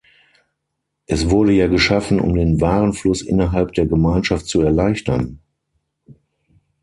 Es wurde ja geschaffen, um den Warenfluss innerhalb der Gemeinschaft zu erleichtern.